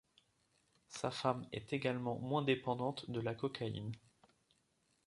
Sa femme est également moins dépendante à la cocaïne.